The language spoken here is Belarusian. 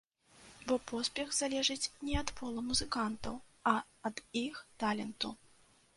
Бо поспех залежыць не ад полу музыкантаў, а ад іх таленту.